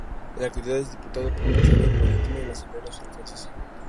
En la actualidad es Diputado por Charente-Maritime en la Asamblea Nacional francesa.